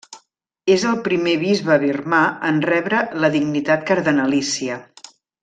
És el primer bisbe birmà en rebre la dignitat cardenalícia.